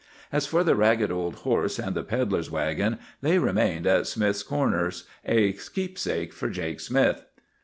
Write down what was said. As for the ragged old horse and the pedler's wagon, they remained at Smith's Corners, a keepsake for Jake Smith."